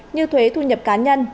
như thuế thu nhập cá nhân